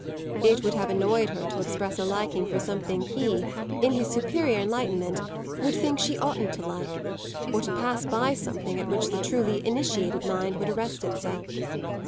It would have annoyed her to express a liking for something he, in his superior enlightenment, would think she oughtn't to like; or to pass by something at which the truly initiated mind would arrest itself.